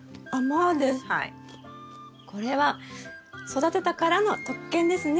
これは育てたからの特権ですね。